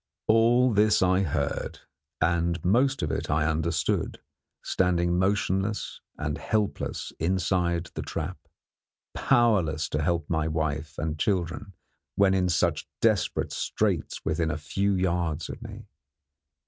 All this I heard, and most of it I understood, standing motionless and helpless inside the trap, powerless to help my wife and children when in such desperate straits within a few yards of me.